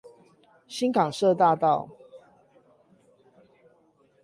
新港社大道